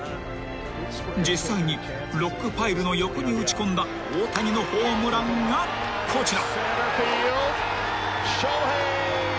［実際にロックパイルの横に打ち込んだ大谷のホームランがこちら］